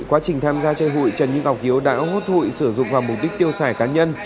quá trình tham gia chơi hụi trần như ngọc hiếu đã hốt hụi sử dụng vào mục đích tiêu xài cá nhân